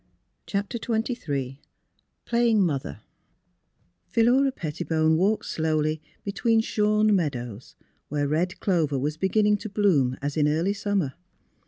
CHAPTER XXin PLAYING MOTHER Philuea Pettibone walked slowly between shorn meadows, where red clover was beginning to bloom as in early summer.